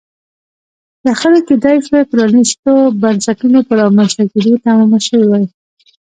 شخړې کېدای شوای پرانیستو بنسټونو په رامنځته کېدو تمامه شوې وای.